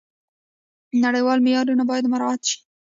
نړیوال معیارونه باید مراعات شي.